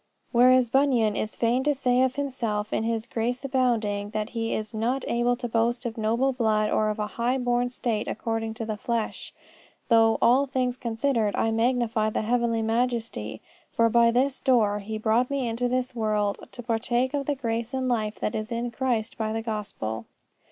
Whereas Bunyan is fain to say of himself in his Grace Abounding that he is "not able to boast of noble blood or of a high born state according to the flesh. Though, all things considered, I magnify the Heavenly Majesty for that by this door He brought me into this world to partake of the grace and life that is in Christ by the Gospel."